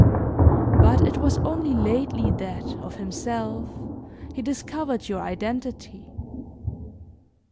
But it was only lately that, of himself, he discovered your identity.